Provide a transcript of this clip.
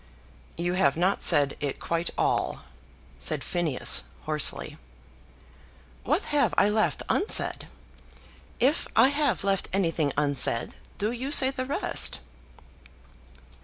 "You have not said it quite all," said Phineas hoarsely. "What have I left unsaid? If I have left anything unsaid, do you say the rest."